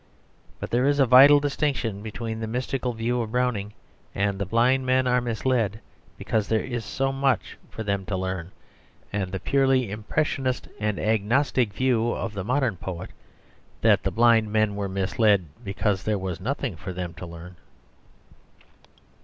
But there is a vital distinction between the mystical view of Browning, that the blind men are misled because there is so much for them to learn, and the purely impressionist and agnostic view of the modern poet, that the blind men were misled because there was nothing for them to learn.